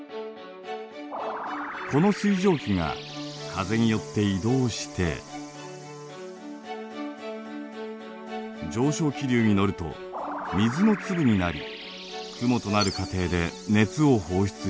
この水蒸気が風によって移動して上昇気流に乗ると水の粒になり雲となる過程で熱を放出します。